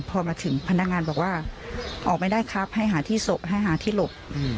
พอมาถึงพนักงานบอกว่าออกไม่ได้ครับให้หาที่ศพให้หาที่หลบ